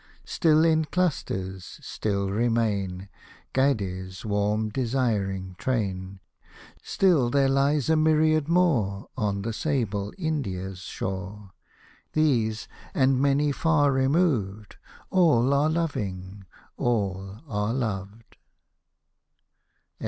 Still in clusters, still remain Gades' warm, desiring train ; Still there lies a myriad more On the sable India's shore ; These, and many far removed, All are loving — all are loved